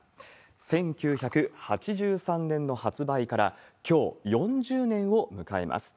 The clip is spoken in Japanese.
１９８３年の発売から、きょう、４０年を迎えます。